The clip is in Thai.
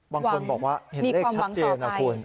บางคนบอกว่าเห็นเลขชัดเจนนะคุณ